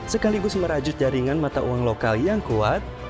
sekaligus merajut jaringan mata uang lokal yang kuat